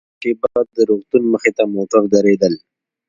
هره شېبه د روغتون مخې ته موټر درېدل.